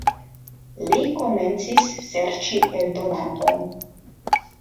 Li komencis serĉi eldonanton.